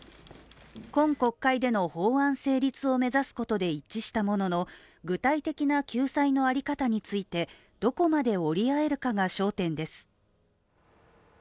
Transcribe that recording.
今国会での法案成立を目指すことで一致したものの、具体的な救済の在り方についてどこまで折り合えるかが焦点です。